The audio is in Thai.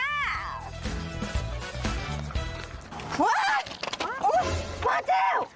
อุ๊ยแม่เจ้า